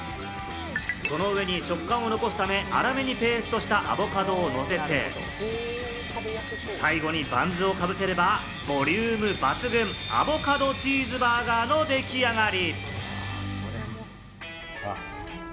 その上に食感を残すため、あらめにペーストしたアボカドをのせて、最後にバンズをかぶせれば、ボリューム抜群、アボカドチーズバーガーの出来上がり！